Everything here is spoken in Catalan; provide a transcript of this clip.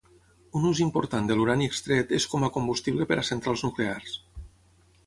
Un ús important de l'urani extret és com a combustible per a centrals nuclears.